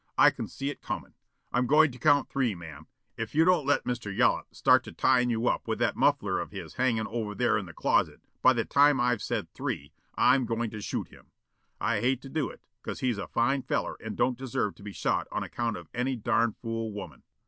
I can see it comin'. I'm goin' to count three, ma'am. If you don't let Mr. Yollop start to tyin' you up with that muffler of his hangin' over there in the closet by the time I've said three, I'm goin' to shoot him. I hate to do it, 'cause he's a fine feller and don't deserve to be shot on account of any darn' fool woman."